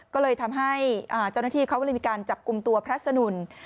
ก็เลยทำให้เจ้าหน้าที่เขาก็เลยมีการจับกลุ่มตัวพระสนุน